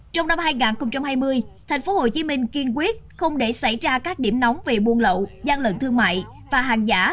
trong năm hai nghìn hai mươi tp hcm kiên quyết không để xảy ra các điểm nóng về buôn lậu gian lận thương mại và hàng giả